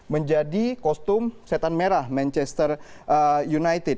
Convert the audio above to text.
menjadi kostum setan merah manchester united